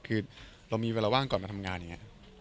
คือเรามีเวลาว่างก่อนมาทำงานอย่างนี้